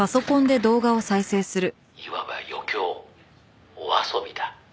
「いわば余興お遊びだ」